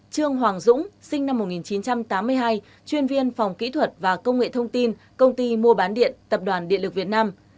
năm trương hoàng dũng sinh năm một nghìn chín trăm tám mươi hai chuyên viên phòng kỹ thuật và công nghệ thông tin công ty mua bán điện tập đoàn điện lực việt nam